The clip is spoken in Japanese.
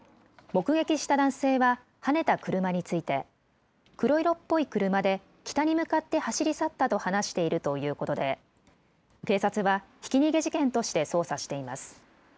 目撃した男性は、はねた車について黒色っぽい車で北に向かって走り去ったと話しているということで警察は、ひき逃げ事件として捜査しています。